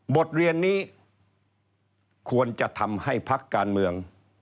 บทเรียนนี้ควรจะทำให้พักการเมือง